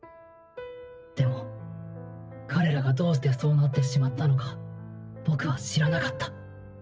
でも彼らがどうしてそうなってしまったのか僕は知らなかった。